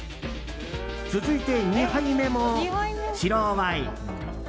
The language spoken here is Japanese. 続いて２杯目も白ワイン。